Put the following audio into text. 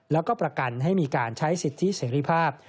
แล้วก็ประกันให้มีการใช้สิทธิเสรีภาพ